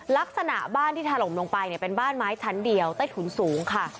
ลักษณะบ้านที่ถล่มลงไปเนี่ยเป็นบ้านไม้ชั้นเดียวใต้ถุนสูงค่ะ